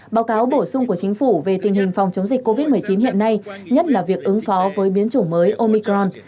báo cáo bổ sung của chính phủ về tình hình phòng chống dịch covid một mươi chín hiện nay nhất là việc ứng phó với biến chủng mới omicron